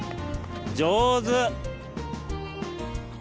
上手。